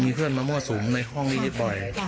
อ๋อมันมีเพื่อนมามั่วสูงในห้องนี้บ่อย